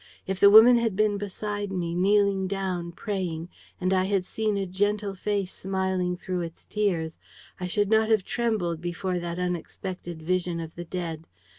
If the woman had been beside me, kneeling down, praying, and I had seen a gentle face smiling through its tears, I should not have trembled before that unexpected vision of the dead.